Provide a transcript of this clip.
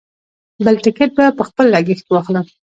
بل ټکټ به په خپل لګښت واخلم.